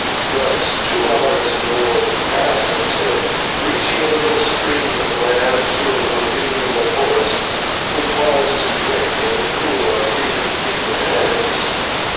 Thus two hours and more passed, till, reaching a little stream that ran through a ravine in the forest, we paused to drink and to cool our fevered feet and hands.